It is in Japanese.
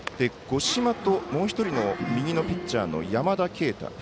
五島ともう１人の右ピッチャーの山田渓太。